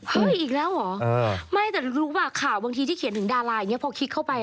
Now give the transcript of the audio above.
อีกแล้วเหรอไม่แต่รู้ป่ะข่าวบางทีที่เขียนถึงดาราอย่างนี้พอคิดเข้าไป